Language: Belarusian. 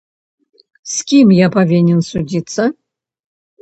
З кім я павінен судзіцца?